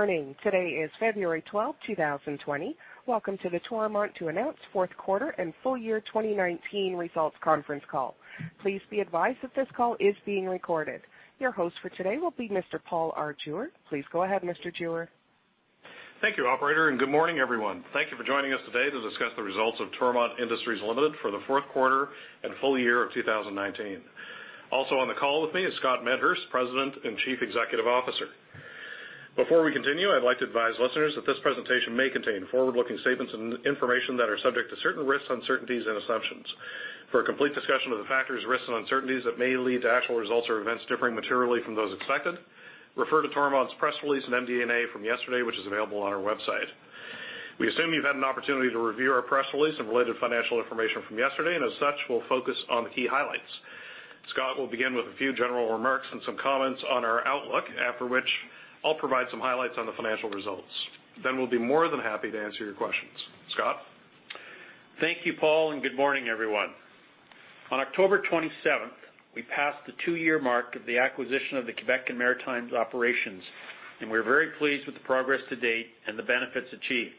Good morning. Today is February 12, 2020. Welcome to the Toromont to announce fourth quarter and full year 2019 results conference call. Please be advised that this call is being recorded. Your host for today will be Mr. Paul R. Jewer. Please go ahead, Mr. Jewer. Thank you, Operator, good morning, everyone. Thank you for joining us today to discuss the results of Toromont Industries Ltd. for the fourth quarter and full year of 2019. Also on the call with me is Scott Medhurst, President and Chief Executive Officer. Before we continue, I'd like to advise listeners that this presentation may contain forward-looking statements and information that are subject to certain risks, uncertainties, and assumptions. For a complete discussion of the factors, risks, and uncertainties that may lead to actual results or events differing materially from those expected, refer to Toromont's press release on MD&A from yesterday, which is available on our website. We assume you've had an opportunity to review our press release and related financial information from yesterday, and as such, we'll focus on the key highlights. Scott will begin with a few general remarks and some comments on our outlook, after which I'll provide some highlights on the financial results. We'll be more than happy to answer your questions. Scott? Thank you, Paul. Good morning, everyone. On October 27th, we passed the two year mark of the acquisition of the Quebec and Maritimes operations. We're very pleased with the progress to date and the benefits achieved.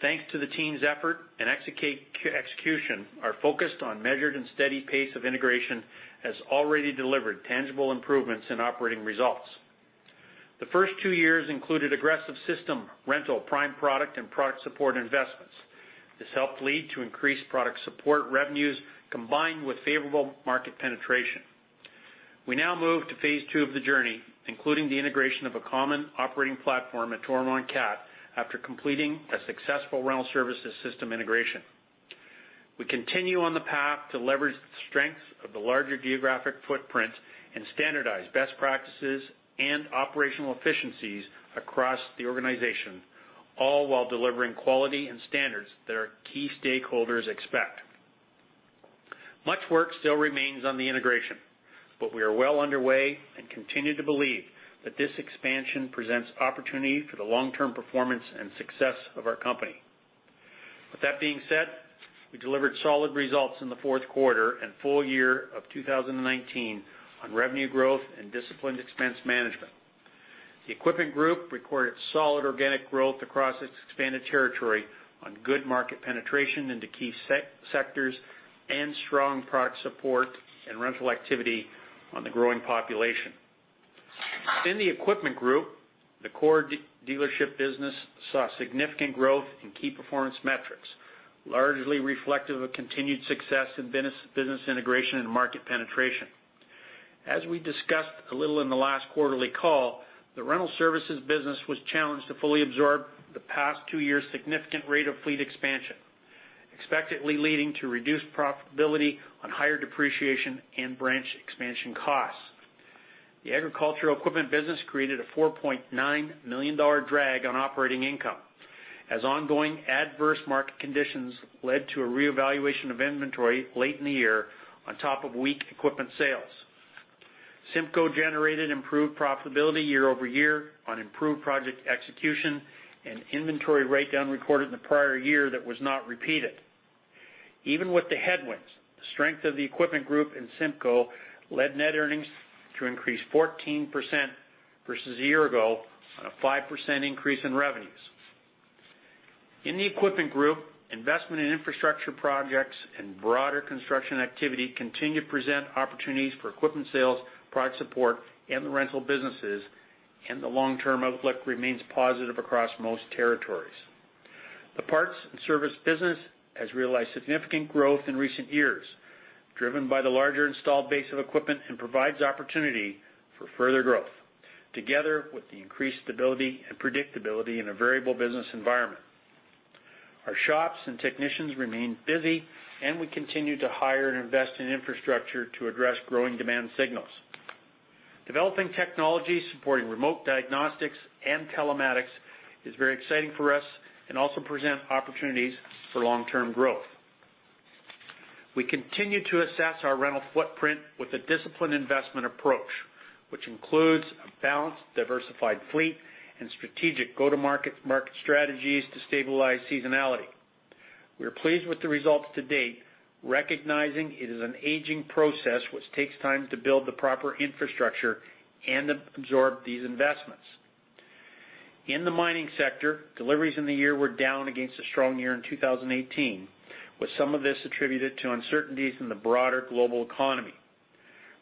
Thanks to the team's effort and execution, our focused on measured and steady pace of integration has already delivered tangible improvements in operating results. The first two years included aggressive system rental, prime product, and product support investments. This helped lead to increased product support revenues combined with favorable market penetration. We now move to phase II of the journey, including the integration of a common operating platform at Toromont CAT after completing a successful rental services system integration. We continue on the path to leverage the strengths of the larger geographic footprint and standardize best practices and operational efficiencies across the organization, all while delivering quality and standards that our key stakeholders expect. Much work still remains on the integration, but we are well underway and continue to believe that this expansion presents opportunity for the long-term performance and success of our company. With that being said, we delivered solid results in the fourth quarter and full year of 2019 on revenue growth and disciplined expense management. The Equipment Group recorded solid organic growth across its expanded territory on good market penetration into key sectors and strong product support and rental activity on the growing population. Within the Equipment Group, the core dealership business saw significant growth in key performance metrics, largely reflective of continued success in business integration and market penetration. As we discussed a little in the last quarterly call, the rental services business was challenged to fully absorb the past two years' significant rate of fleet expansion, expectantly leading to reduced profitability on higher depreciation and branch expansion costs. The agricultural equipment business created a 4.9 million dollar drag on operating income as ongoing adverse market conditions led to a reevaluation of inventory late in the year on top of weak equipment sales. CIMCO generated improved profitability year-over-year on improved project execution and inventory write-down recorded in the prior year that was not repeated. Even with the headwinds, the strength of the Equipment Group in CIMCO led net earnings to increase 14% versus a year ago on a 5% increase in revenues. In the Equipment Group, investment in infrastructure projects and broader construction activity continue to present opportunities for equipment sales, product support, and the rental businesses. The long-term outlook remains positive across most territories. The parts and service business has realized significant growth in recent years, driven by the larger installed base of equipment and provides opportunity for further growth together with the increased stability and predictability in a variable business environment. Our shops and technicians remain busy. We continue to hire and invest in infrastructure to address growing demand signals. Developing technology supporting remote diagnostics and telematics is very exciting for us and also presents opportunities for long-term growth. We continue to assess our rental footprint with a disciplined investment approach, which includes a balanced, diversified fleet and strategic go-to-market strategies to stabilize seasonality. We are pleased with the results to date, recognizing it is an aging process which takes time to build the proper infrastructure and absorb these investments. In the mining sector, deliveries in the year were down against a strong year in 2018, with some of this attributed to uncertainties in the broader global economy.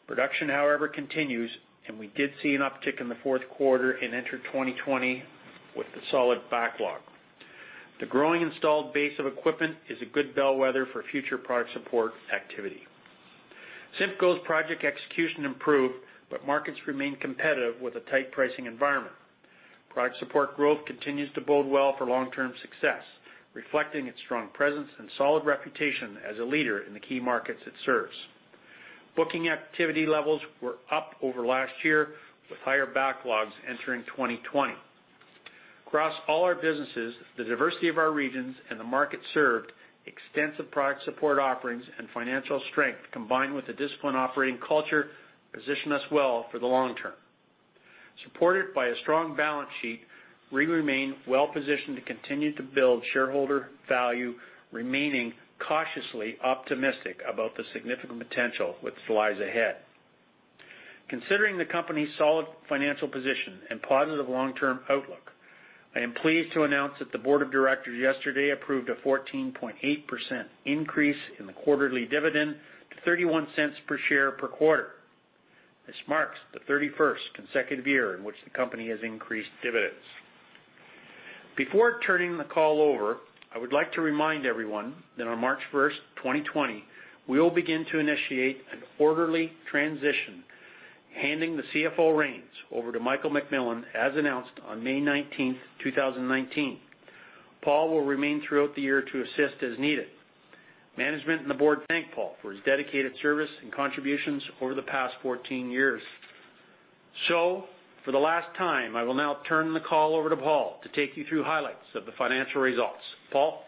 Production, however, continues, and we did see an uptick in the fourth quarter and entered 2020 with a solid backlog. The growing installed base of equipment is a good bellwether for future product support activity. CIMCO's project execution improved, but markets remain competitive with a tight pricing environment. Product support growth continues to bode well for long-term success, reflecting its strong presence and solid reputation as a leader in the key markets it serves. Booking activity levels were up over last year, with higher backlogs entering 2020. Across all our businesses, the diversity of our regions and the market served, extensive product support offerings, and financial strength, combined with a disciplined operating culture, position us well for the long term. Supported by a strong balance sheet. We remain well positioned to continue to build shareholder value, remaining cautiously optimistic about the significant potential which lies ahead. Considering the company's solid financial position and positive long-term outlook, I am pleased to announce that the board of directors yesterday approved a 14.8% increase in the quarterly dividend to 0.31 per share per quarter. This marks the 31st consecutive year in which the company has increased dividends. Before turning the call over, I would like to remind everyone that on March 1st, 2020, we will begin to initiate an orderly transition, handing the CFO reins over to Michael McMillan, as announced on May 19th, 2019. Paul will remain throughout the year to assist as needed. Management and the board thank Paul for his dedicated service and contributions over the past 14 years. For the last time, I will now turn the call over to Paul to take you through highlights of the financial results. Paul?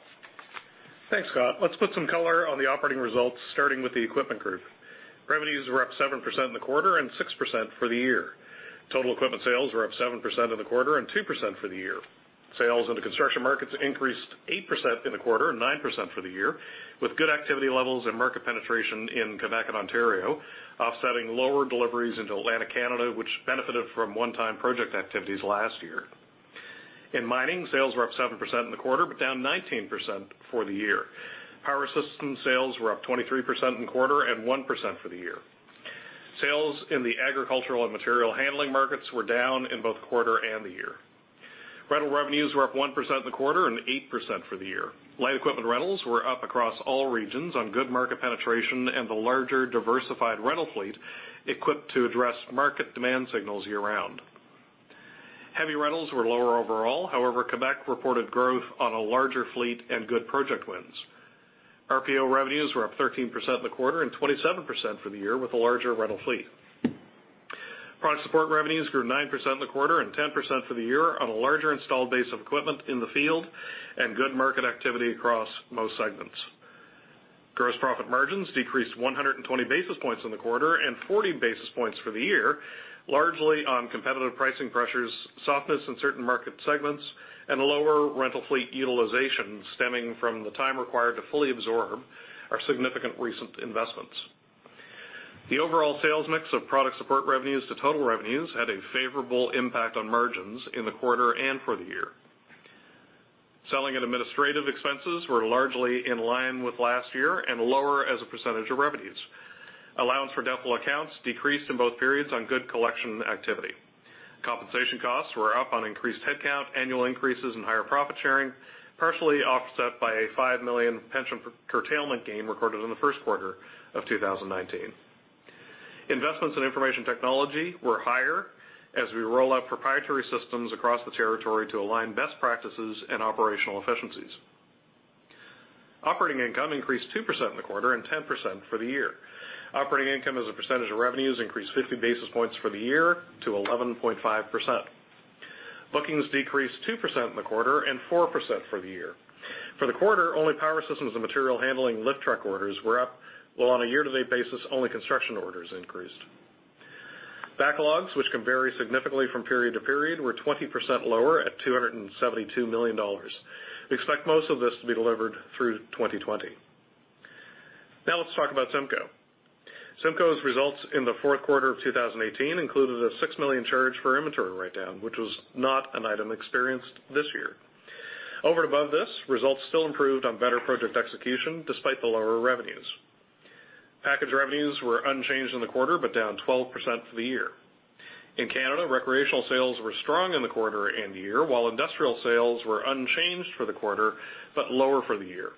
Thanks, Scott. Let's put some color on the operating results, starting with the Equipment Group. Revenues were up 7% in the quarter and 6% for the year. Total equipment sales were up 7% in the quarter and 2% for the year. Sales into construction markets increased 8% in the quarter and 9% for the year, with good activity levels and market penetration in Quebec and Ontario, offsetting lower deliveries into Atlantic Canada, which benefited from one-time project activities last year. In mining, sales were up 7% in the quarter, but down 19% for the year. Power system sales were up 23% in the quarter and 1% for the year. Sales in the agricultural and material handling markets were down in both quarter and the year. Rental revenues were up 1% in the quarter and 8% for the year. Light equipment rentals were up across all regions on good market penetration and the larger diversified rental fleet equipped to address market demand signals year-round. Heavy rentals were lower overall. However, Quebec reported growth on a larger fleet and good project wins. RPO revenues were up 13% in the quarter and 27% for the year, with a larger rental fleet. Product support revenues grew 9% in the quarter and 10% for the year on a larger installed base of equipment in the field and good market activity across most segments. Gross profit margins decreased 120 basis points in the quarter and 40 basis points for the year, largely on competitive pricing pressures, softness in certain market segments, and lower rental fleet utilization stemming from the time required to fully absorb our significant recent investments. The overall sales mix of product support revenues to total revenues had a favorable impact on margins in the quarter and for the year. Selling and administrative expenses were largely in line with last year and lower as a percentage of revenues. Allowance for doubtful accounts decreased in both periods on good collection activity. Compensation costs were up on increased headcount, annual increases in higher profit sharing, partially offset by a 5 million pension curtailment gain recorded in the first quarter of 2019. Investments in information technology were higher as we roll out proprietary systems across the territory to align best practices and operational efficiencies. Operating income increased 2% in the quarter and 10% for the year. Operating income as a percentage of revenues increased 50 basis points for the year to 11.5%. Bookings decreased 2% in the quarter and 4% for the year. For the quarter, only power systems and material handling lift truck orders were up, while on a year-to-date basis, only construction orders increased. Backlogs, which can vary significantly from period-to-period, were 20% lower at 272 million dollars. We expect most of this to be delivered through 2020. Let's talk about CIMCO. CIMCO's results in the fourth quarter of 2018 included a 6 million charge for inventory write-down, which was not an item experienced this year. Over and above this, results still improved on better project execution despite the lower revenues. Package revenues were unchanged in the quarter, but down 12% for the year. In Canada, recreational sales were strong in the quarter and the year, while industrial sales were unchanged for the quarter, but lower for the year.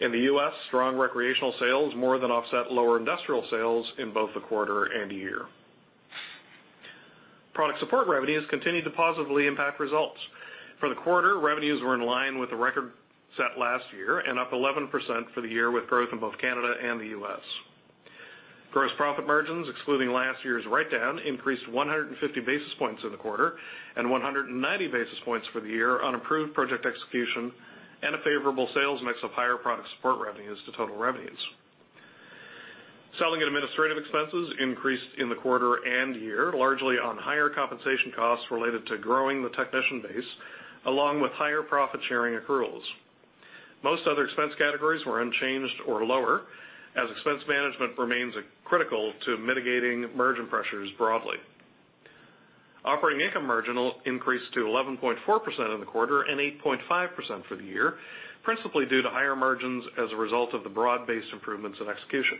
In the U.S., strong recreational sales more than offset lower industrial sales in both the quarter and year. Product support revenues continued to positively impact results. For the quarter, revenues were in line with the record set last year and up 11% for the year, with growth in both Canada and the U.S. Gross profit margins, excluding last year's write-down, increased 150 basis points in the quarter and 190 basis points for the year on improved project execution and a favorable sales mix of higher product support revenues to total revenues. Selling and administrative expenses increased in the quarter and year, largely on higher compensation costs related to growing the technician base, along with higher profit-sharing accruals. Most other expense categories were unchanged or lower, as expense management remains critical to mitigating margin pressures broadly. Operating income margin increased to 11.4% in the quarter and 8.5% for the year, principally due to higher margins as a result of the broad-based improvements in execution.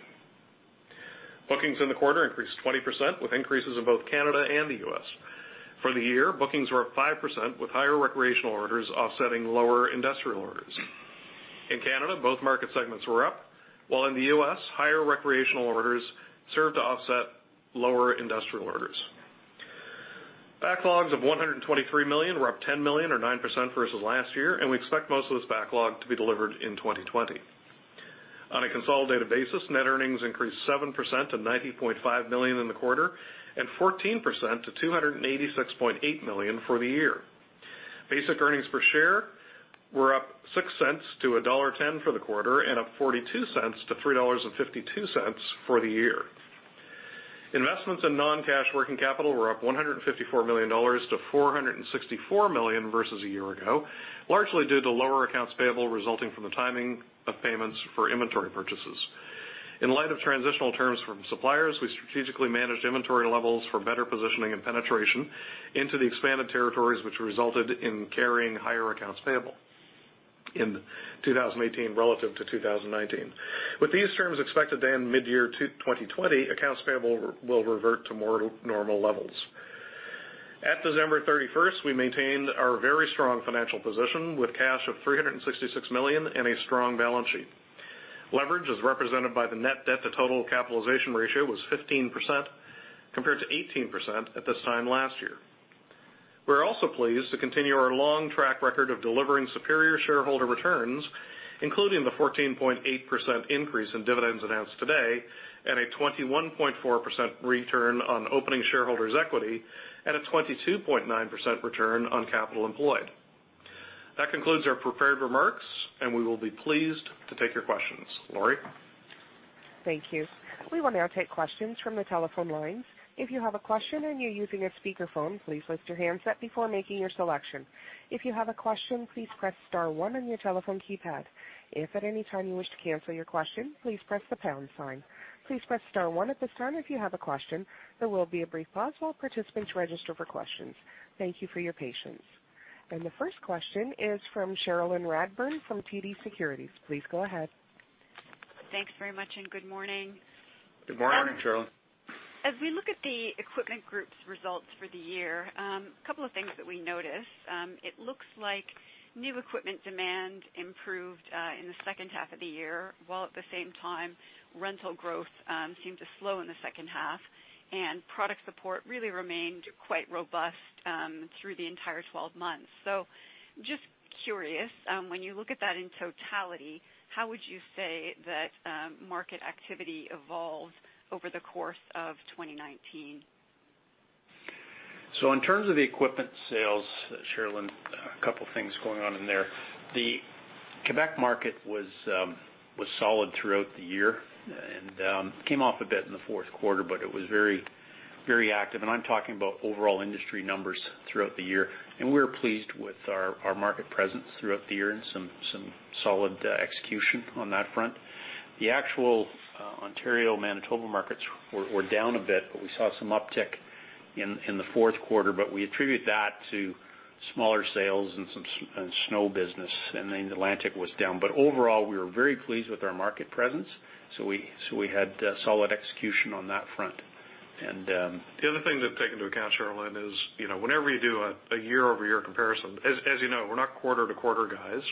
Bookings in the quarter increased 20%, with increases in both Canada and the U.S. For the year, bookings were up 5%, with higher recreational orders offsetting lower industrial orders. In Canada, both market segments were up, while in the U.S., higher recreational orders served to offset lower industrial orders. Backlogs of 123 million were up 10 million, or 9% versus last year, and we expect most of this backlog to be delivered in 2020. On a consolidated basis, net earnings increased 7% to 90.5 million in the quarter and 14% to 286.8 million for the year. Basic earnings per share were up 0.06-1.10 dollar for the quarter and up 0.42-3.52 dollars for the year. Investments in non-cash working capital were up 154 million-464 million dollars versus a year ago, largely due to lower accounts payable resulting from the timing of payments for inventory purchases. In light of transitional terms from suppliers, we strategically managed inventory levels for better positioning and penetration into the expanded territories, which resulted in carrying higher accounts payable in 2018 relative to 2019. With these terms expected to end midyear 2020, accounts payable will revert to more normal levels. At December 31st, we maintained our very strong financial position with cash of 366 million and a strong balance sheet. Leverage, as represented by the net debt to total capitalization ratio, was 15% compared to 18% at this time last year. We're also pleased to continue our long track record of delivering superior shareholder returns, including the 14.8% increase in dividends announced today and a 21.4% return on opening shareholders' equity and a 22.9% return on capital employed. That concludes our prepared remarks, and we will be pleased to take your questions. Lori? Thank you. We will now take questions from the telephone lines. If you have a question and you're using a speakerphone, please lift your handset before making your selection. If you have a question, please press star one on your telephone keypad. If at any time you wish to cancel your question, please press the pound sign. Please press star one at this time if you have a question. There will be a brief pause while participants register for questions. Thank you for your patience. The first question is from Cherilyn Radbourne from TD Securities. Please go ahead. Thanks very much, and good morning. Good morning, Cherilyn. As we look at the Equipment Group's results for the year, couple of things that we notice. It looks like new equipment demand improved in the second half of the year, while at the same time, rental growth seemed to slow in the second half, and product support really remained quite robust through the entire 12 months. Just curious, when you look at that in totality, how would you say that market activity evolved over the course of 2019? In terms of the equipment sales, Cherilyn, a couple of things going on in there. The Quebec market was solid throughout the year and came off a bit in the fourth quarter, but it was very active, and I'm talking about overall industry numbers throughout the year. We were pleased with our market presence throughout the year and some solid execution on that front. The actual Ontario, Manitoba markets were down a bit, but we saw some uptick in the fourth quarter, but we attribute that to smaller sales and snow business. Atlantic was down. Overall, we were very pleased with our market presence, so we had solid execution on that front. The other thing to take into account, Cherilyn, is whenever you do a year-over-year comparison, as you know, we're not quarter-to-quarter guys.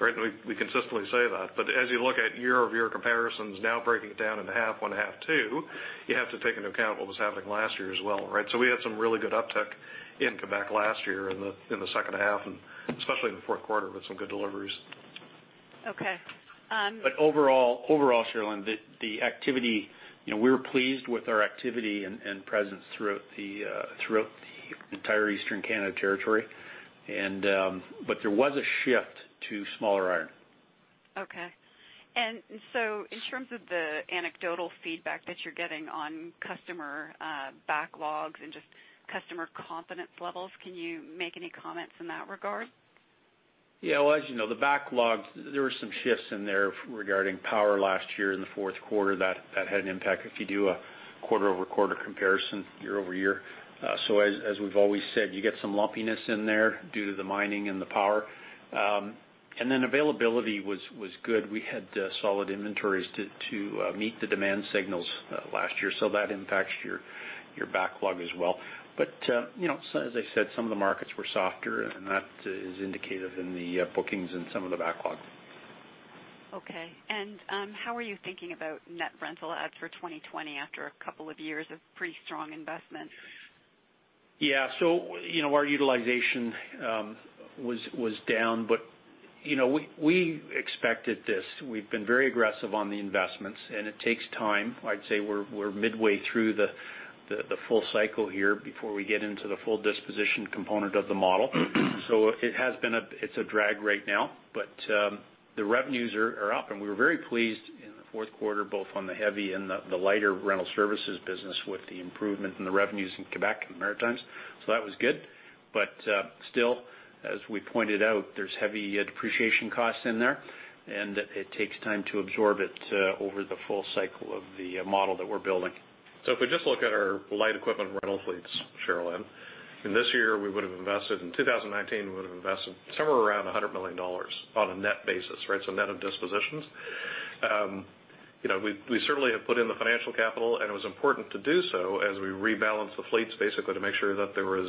Right? We consistently say that, but as you look at year-over-year comparisons now breaking it down into half one, half two, you have to take into account what was happening last year as well, right? We had some really good uptick in Quebec last year in the second half and especially in the fourth quarter with some good deliveries. Okay. Overall, Cherilyn, we're pleased with our activity and presence throughout the entire Eastern Canada territory, but there was a shift to smaller iron. Okay. In terms of the anecdotal feedback that you're getting on customer backlogs and just customer confidence levels, can you make any comments in that regard? Yeah. Well, as you know, the backlogs, there were some shifts in there regarding power last year in the fourth quarter that had an impact if you do a quarter-over-quarter comparison year-over-year. As we've always said, you get some lumpiness in there due to the mining and the power. Availability was good. We had solid inventories to meet the demand signals last year, so that impacts your backlog as well. As I said, some of the markets were softer, and that is indicated in the bookings and some of the backlog. Okay. How are you thinking about net rental adds for 2020 after a couple of years of pretty strong investment? Yeah. Our utilization was down, but we expected this. We've been very aggressive on the investments, and it takes time. I'd say we're midway through the full cycle here before we get into the full disposition component of the model. It's a drag right now, but the revenues are up, and we were very pleased in the fourth quarter, both on the heavy and the lighter rental services business with the improvement in the revenues in Quebec and the Maritimes. That was good. Still, as we pointed out, there's heavy depreciation costs in there, and it takes time to absorb it over the full cycle of the model that we're building. If we just look at our light equipment rental fleets, Cherilyn, in this year we would've invested, in 2019, we would've invested somewhere around 100 million dollars on a net basis, right? Net of dispositions. We certainly have put in the financial capital, and it was important to do so as we rebalance the fleets basically to make sure that there was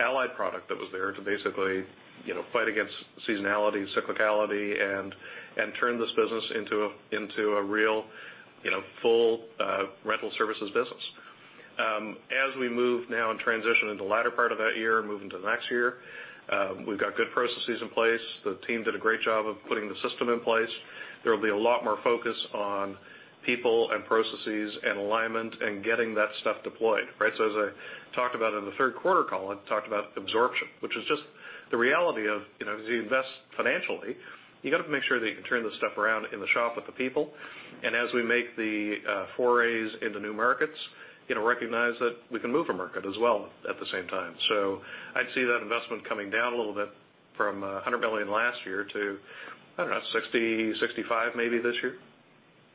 allied product that was there to basically fight against seasonality, cyclicality and turn this business into a real full rental services business. We move now and transition into the latter part of that year, moving to the next year, we've got good processes in place. The team did a great job of putting the system in place. There'll be a lot more focus on people and processes and alignment and getting that stuff deployed, right? As I talked about in the third quarter call, I talked about absorption, which is just the reality of, as you invest financially, you've got to make sure that you can turn this stuff around in the shop with the people. As we make the forays into new markets, recognize that we can move a market as well at the same time. I'd see that investment coming down a little bit from 100 million last year to, I don't know, 60 million, 65 million maybe this year.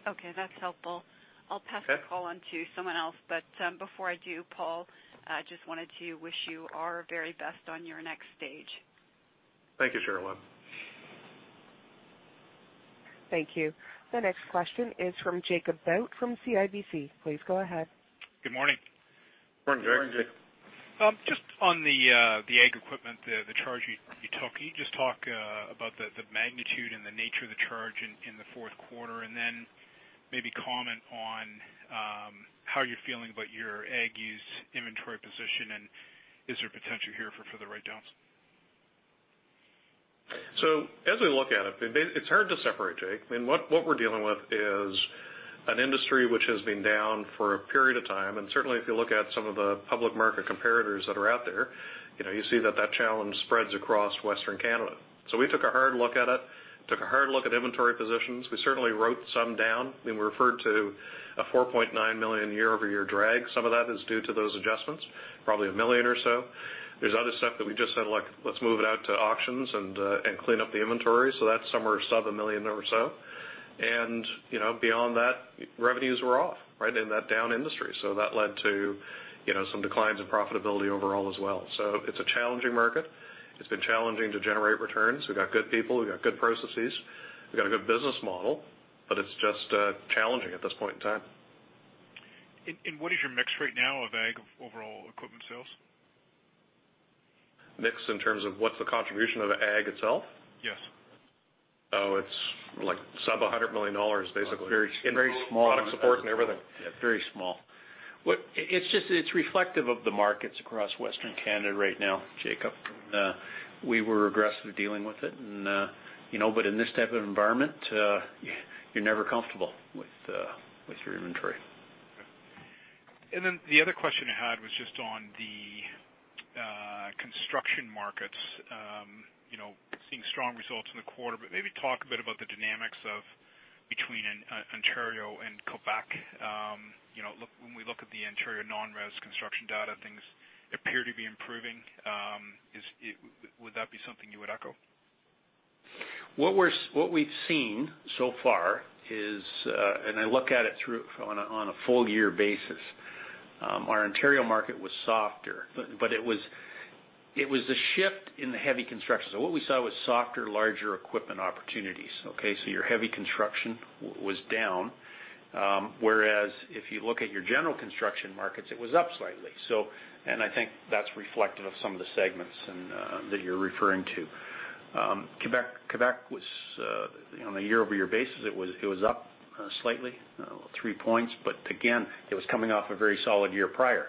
Okay, that's helpful. Okay. I'll pass the call on to someone else. Before I do, Paul, I just wanted to wish you our very best on your next stage. Thank you, Cherilyn. Thank you. The next question is from Jacob Bout from CIBC. Please go ahead. Good morning. Good morning, Jake. Good morning, Jake. Just on the ag equipment, the charge you took. Can you just talk about the magnitude and the nature of the charge in the fourth quarter, and then maybe comment on how you're feeling about your ag use inventory position, and is there potential here for further write-downs? As we look at it's hard to separate, Jake. What we're dealing with is an industry which has been down for a period of time, and certainly if you look at some of the public market comparators that are out there, you see that challenge spreads across Western Canada. We took a hard look at it, took a hard look at inventory positions. We certainly wrote some down. We referred to a 4.9 million year-over-year drag. Some of that is due to those adjustments, probably 1 million or so. There's other stuff that we just said, "Look, let's move it out to auctions and clean up the inventory." That's somewhere sub 1 million or so. Beyond that, revenues were off right in that down industry. That led to some declines in profitability overall as well. It's a challenging market. It's been challenging to generate returns. We've got good people, we've got good processes, we've got a good business model, but it's just challenging at this point in time. What is your mix right now of ag overall equipment sales? Mix in terms of what's the contribution of ag itself? Yes. Oh, it's sub 100 million dollars basically. Very small. Product support and everything. Yeah, very small. It's reflective of the markets across Western Canada right now, Jacob. We were aggressive dealing with it, but in this type of environment, you're never comfortable with your inventory. Okay. The other question I had was just on the construction markets. Seeing strong results in the quarter, but maybe talk a bit about the dynamics between Ontario and Quebec. When we look at the Ontario non-res construction data, things appear to be improving. Would that be something you would echo? What we've seen so far is, and I look at it through on a full year basis. Our Ontario market was softer, but it was the shift in the heavy construction. What we saw was softer, larger equipment opportunities. Okay. Your heavy construction was down, whereas if you look at your general construction markets, it was up slightly. I think that's reflective of some of the segments that you're referring to. Quebec on a year-over-year basis, it was up slightly, three points. Again, it was coming off a very solid year prior.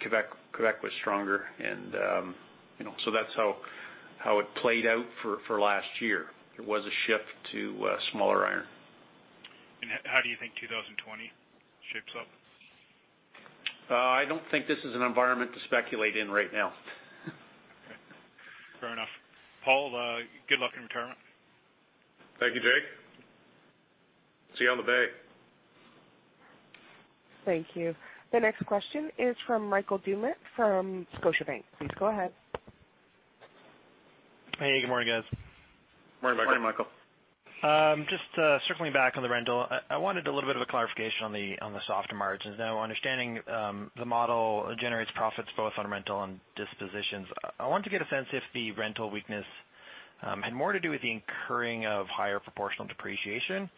Quebec was stronger and so that's how it played out for last year. It was a shift to smaller iron. How do you think 2020 shapes up? I don't think this is an environment to speculate in right now. Okay. Fair enough. Paul, good luck in retirement. Thank you, Jake. See you on the bay. Thank you. The next question is from Michael Doumet from Scotiabank. Please go ahead. Hey, good morning, guys. Good morning, Michael. Good morning, Michael. Just circling back on the rental. I wanted a little bit of a clarification on the softer margins. Now understanding the model generates profits both on rental and dispositions. I wanted to get a sense if the rental weakness had more to do with the incurring of higher proportional depreciation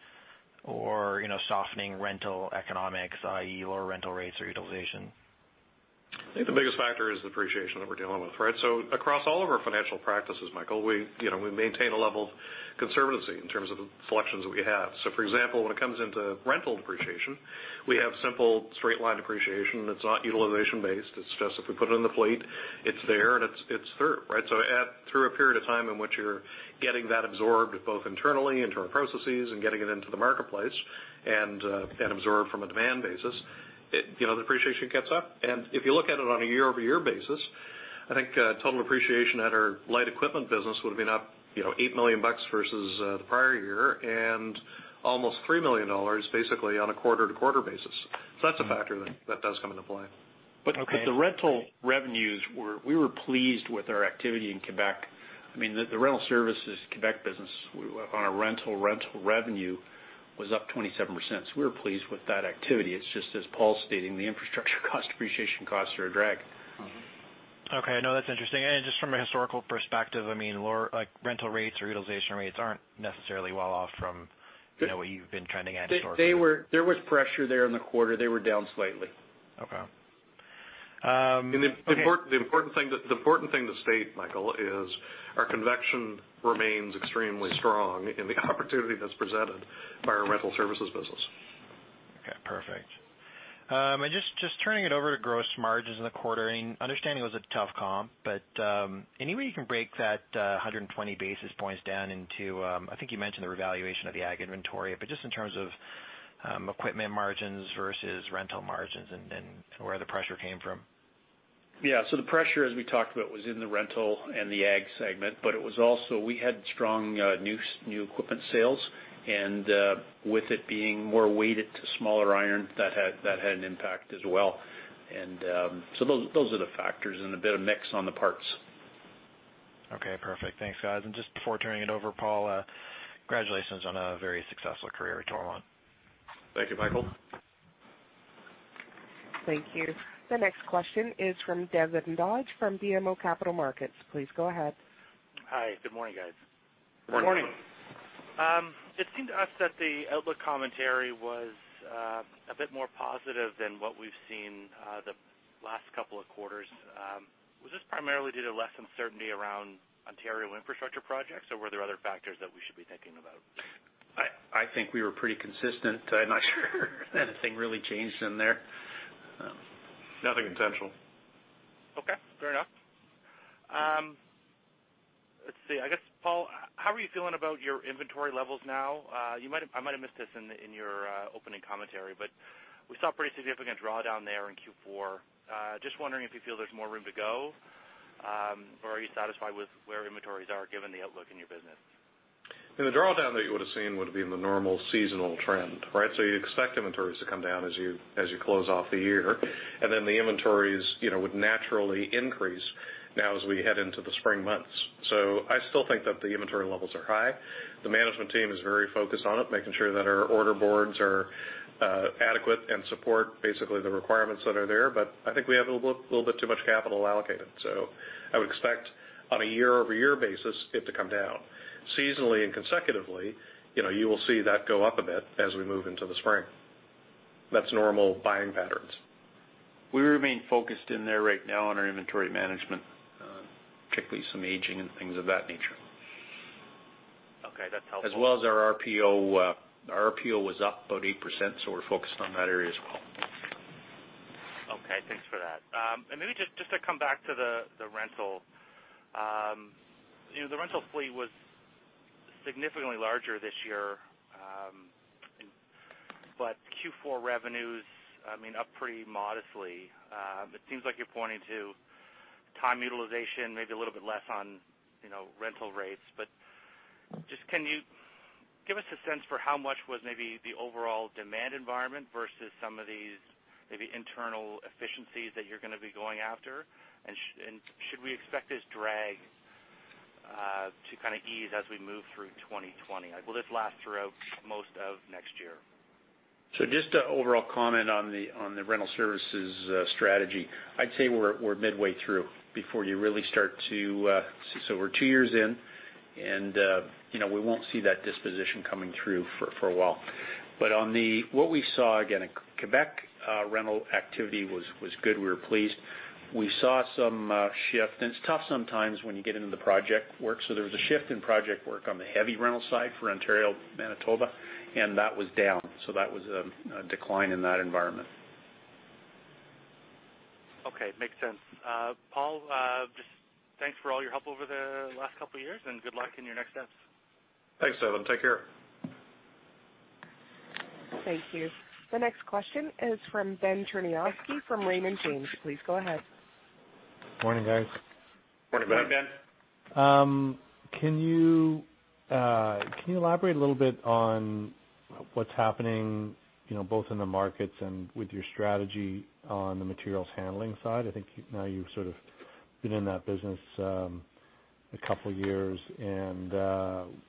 or softening rental economics, i.e., lower rental rates or utilization. I think the biggest factor is the depreciation that we're dealing with, right? Across all of our financial practices, Michael, we maintain a level of conservatism in terms of the selections that we have. For example, when it comes into rental depreciation, we have simple straight line depreciation that's not utilization based. It's just if we put it in the fleet, it's there and it's through, right? Through a period of time in which you're getting that absorbed both internally and through our processes and getting it into the marketplace and absorbed from a demand basis, the depreciation gets up. If you look at it on a year-over-year basis, I think total depreciation at our light equipment business would have been up 8 million bucks versus the prior year and almost 3 million dollars basically on a quarter-to-quarter basis. That's a factor that does come into play. Okay. The rental revenues, we were pleased with our activity in Quebec. The rental services Quebec business on a rental revenue was up 27%. We were pleased with that activity. It's just as Paul's stating, the infrastructure cost, depreciation costs are a drag. Okay. No, that's interesting. Just from a historical perspective, lower rental rates or utilization rates aren't necessarily well off from what you've been trending at historically. There was pressure there in the quarter. They were down slightly. Okay. The important thing to state, Michael, is our conviction remains extremely strong in the opportunity that's presented by our rental services business. Okay, perfect. Just turning it over to gross margins in the quarter. Understanding it was a tough comp, any way you can break that 120 basis points down into, I think you mentioned the revaluation of the ag inventory, just in terms of equipment margins versus rental margins and where the pressure came from? Yeah. The pressure, as we talked about, was in the rental and the ag segment, but it was also, we had strong new equipment sales, and with it being more weighted to smaller iron, that had an impact as well. Those are the factors and a bit of mix on the parts. Okay, perfect. Thanks, guys. Just before turning it over, Paul, congratulations on a very successful career at Toromont. Thank you, Michael. Thank you. The next question is from Devin Dodge from BMO Capital Markets. Please go ahead. Hi. Good morning, guys. Good morning. Good morning. It seemed to us that the outlook commentary was a bit more positive than what we've seen the last couple of quarters. Was this primarily due to less uncertainty around Ontario infrastructure projects, or were there other factors that we should be thinking about? I think we were pretty consistent. I'm not sure anything really changed in there. Nothing intentional. Okay, fair enough. Let's see. I guess, Paul, how are you feeling about your inventory levels now? I might have missed this in your opening commentary, but we saw a pretty significant drawdown there in Q4. Just wondering if you feel there's more room to go, or are you satisfied with where inventories are given the outlook in your business? In the drawdown that you would've seen would've been the normal seasonal trend, right? You expect inventories to come down as you close off the year, the inventories would naturally increase now as we head into the spring months. I still think that the inventory levels are high. The management team is very focused on it, making sure that our order boards are adequate and support basically the requirements that are there. I think we have a little bit too much capital allocated. I would expect on a year-over-year basis it to come down. Seasonally and consecutively, you will see that go up a bit as we move into the spring. That's normal buying patterns. We remain focused in there right now on our inventory management, particularly some aging and things of that nature. Okay, that's helpful. As well as our RPO. Our RPO was up about 8%, we're focused on that area as well. Okay, thanks for that. Maybe just to come back to the rental. The rental fleet was significantly larger this year, but Q4 revenues, up pretty modestly. It seems like you're pointing to time utilization, maybe a little bit less on rental rates. Just, can you give us a sense for how much was maybe the overall demand environment versus some of these maybe internal efficiencies that you're going to be going after? Should we expect this drag to kind of ease as we move through 2020? Will this last throughout most of next year? Just to overall comment on the rental services strategy. I'd say we're midway through. We're two years in, and we won't see that disposition coming through for a while. What we saw, again, in Quebec, rental activity was good. We were pleased. We saw some shift, and it's tough sometimes when you get into the project work, so there was a shift in project work on the heavy rental side for Ontario, Manitoba, and that was down. That was a decline in that environment. Okay. Makes sense. Paul, just thanks for all your help over the last couple of years, and good luck in your next steps. Thanks, Devin. Take care. Thank you. The next question is from Ben Cherniavsky from Raymond James. Please go ahead. Good morning, guys. Good morning, Ben. Good morning, Ben. Can you elaborate a little bit on what's happening, both in the markets and with your strategy on the materials handling side? I think now you've sort of been in that business a couple of years.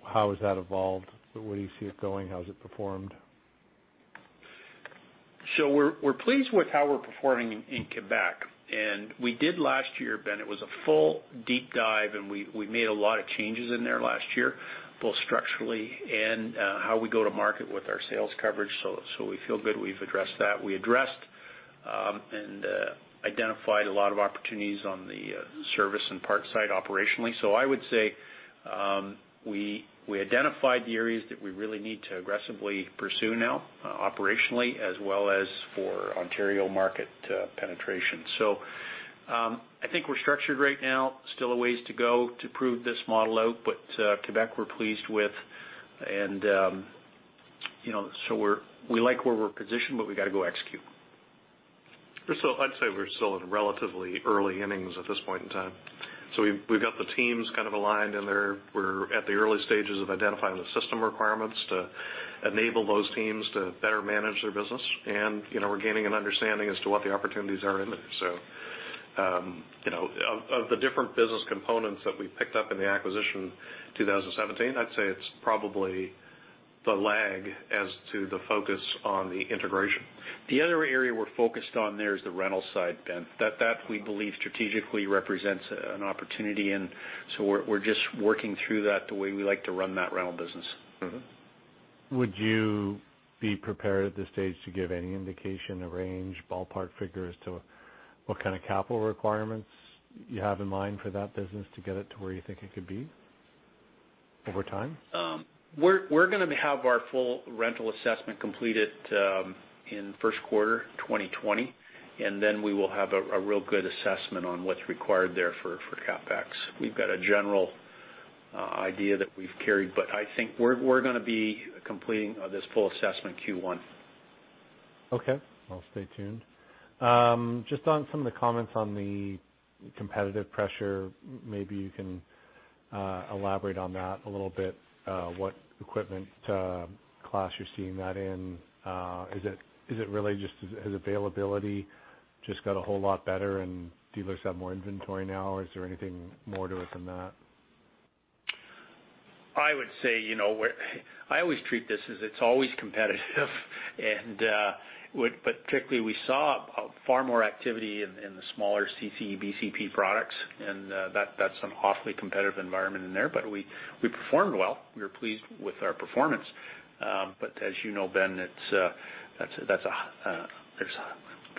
How has that evolved? Where do you see it going? How has it performed? We're pleased with how we're performing in Quebec. We did last year, Ben, it was a full deep dive, and we made a lot of changes in there last year, both structurally and how we go to market with our sales coverage. We feel good we've addressed that. We addressed and identified a lot of opportunities on the service and parts side operationally. I would say we identified the areas that we really need to aggressively pursue now operationally as well as for Ontario market penetration. I think we're structured right now. Still a ways to go to prove this model out, but Quebec, we're pleased with. We like where we're positioned, but we've got to go execute. I'd say we're still in relatively early innings at this point in time. We've got the teams kind of aligned, and we're at the early stages of identifying the system requirements to enable those teams to better manage their business. We're gaining an understanding as to what the opportunities are in there. Of the different business components that we picked up in the acquisition 2017, I'd say it's probably the lag as to the focus on the integration. The other area we're focused on there is the rental side, Ben. That, we believe strategically represents an opportunity, and so we're just working through that the way we like to run that rental business. Would you be prepared at this stage to give any indication, a range, ballpark figure as to what kind of capital requirements you have in mind for that business to get it to where you think it could be over time? We're going to have our full rental assessment completed in first quarter 2020. We will have a real good assessment on what's required there for CapEx. We've got a general idea that we've carried. I think we're going to be completing this full assessment Q1. Okay. I'll stay tuned. Just on some of the comments on the competitive pressure, maybe you can elaborate on that a little bit, what equipment class you're seeing that in. Has availability just got a whole lot better and dealers have more inventory now, or is there anything more to it than that? I always treat this as it is always competitive. Particularly, we saw far more activity in the smaller BCP products, and that is an awfully competitive environment in there, but we performed well. We were pleased with our performance. As you know, Ben, there is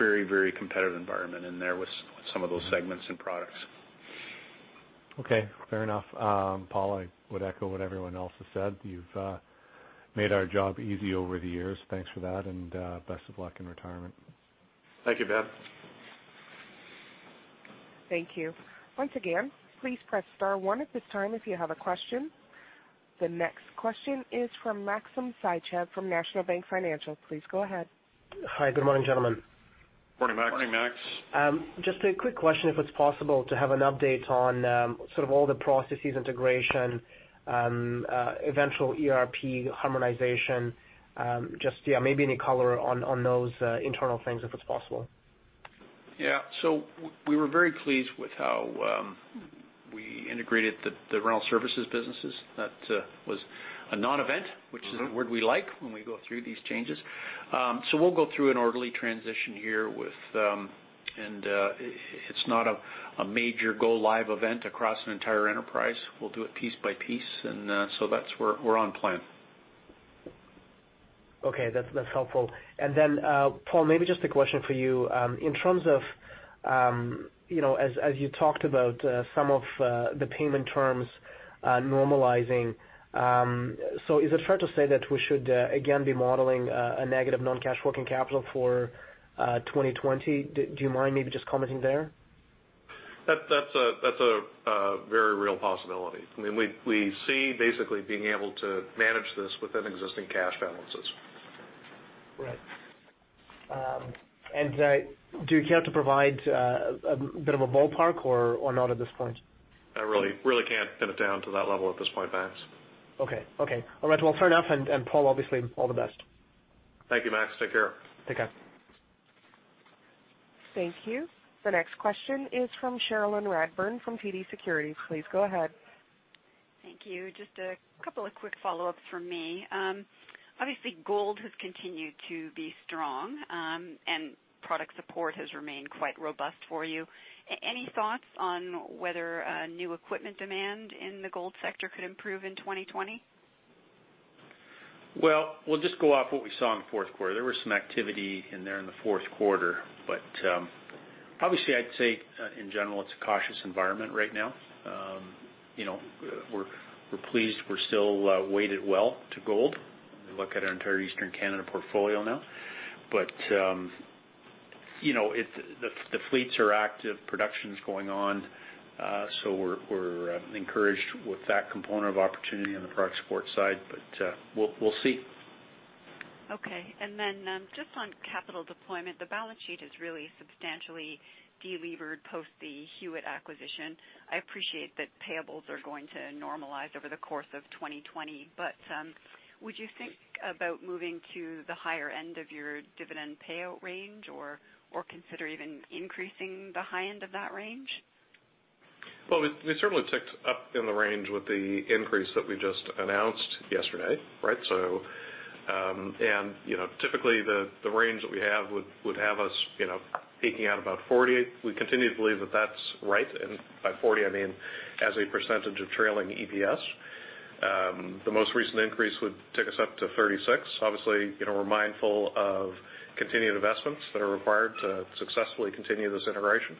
a very competitive environment in there with some of those segments and products. Okay. Fair enough. Paul, I would echo what everyone else has said. You've made our job easy over the years. Thanks for that and best of luck in retirement. Thank you, Ben. Thank you. Once again, please press star one at this time if you have a question. The next question is from Maxim Sytchev from National Bank Financial. Please go ahead. Hi. Good morning, gentlemen. Good morning, Maxim. Good morning, Max. Just a quick question, if it's possible, to have an update on sort of all the processes, integration, eventual ERP harmonization. Just maybe any color on those internal things, if it's possible. Yeah. We were very pleased with how we integrated the rental services businesses. That was a non-event which is a word we like when we go through these changes. We'll go through an orderly transition here. It's not a major go live event across an entire enterprise. We'll do it piece by piece, that's where we're on plan. Okay. That's helpful. Paul, maybe just a question for you. In terms of, as you talked about some of the payment terms normalizing, so is it fair to say that we should again be modeling a negative non-cash working capital for 2020? Do you mind maybe just commenting there? That's a very real possibility. I mean, we see basically being able to manage this within existing cash balances. Right. Do you care to provide a bit of a ballpark or not at this point? I really can't pin it down to that level at this point, Max. Okay. All right. Well, fair enough, and Paul, obviously all the best. Thank you, Max. Take care. Take care. Thank you. The next question is from Cherilyn Radbourne from TD Securities. Please go ahead. Thank you. Just a couple of quick follow-ups from me. Obviously, gold has continued to be strong, and product support has remained quite robust for you. Any thoughts on whether new equipment demand in the gold sector could improve in 2020? Well, we'll just go off what we saw in the fourth quarter. There was some activity in there in the fourth quarter, but obviously I'd say in general, it's a cautious environment right now. We're pleased we're still weighted well to gold. We look at our entire Eastern Canada portfolio now. The fleets are active, production's going on, so we're encouraged with that component of opportunity on the product support side, but we'll see. Okay. Then just on capital deployment, the balance sheet is really substantially de-levered post the Hewitt acquisition. I appreciate that payables are going to normalize over the course of 2020, would you think about moving to the higher end of your dividend payout range or consider even increasing the high end of that range? Well, we certainly ticked up in the range with the increase that we just announced yesterday, right? Typically, the range that we have would have us peaking out about 40. We continue to believe that that's right, and by 40, I mean as a percentage of trailing EPS. The most recent increase would take us up to 36. Obviously, we're mindful of continued investments that are required to successfully continue this integration.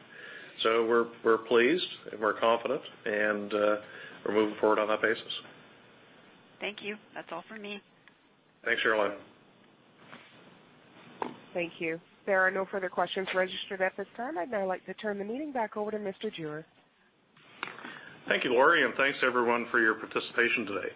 We're pleased, and we're confident, and we're moving forward on that basis. Thank you. That's all for me. Thanks, Cherilyn. Thank you. There are no further questions registered at this time. I'd now like to turn the meeting back over to Mr. Jewer. Thank you, Lori, and thanks everyone for your participation today.